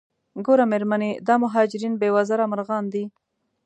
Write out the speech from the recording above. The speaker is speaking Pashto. ګوره میرمنې دا مهاجرین بې وزره مرغان دي.